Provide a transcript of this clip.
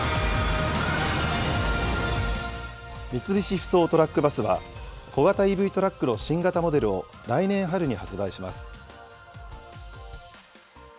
三菱ふそうトラック・バスは、小型ＥＶトラックの新型モデルを来年春に発売します。